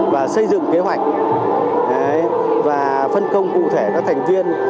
và xây dựng kế hoạch và phân công cụ thể các thành viên